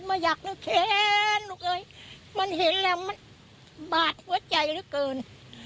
ไม่อยากนึกแค้นลูกเอ้ยมันเห็นแล้วมันบาดหัวใจเหลือเกิน